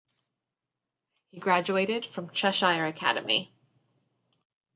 He graduated from Cheshire Academy.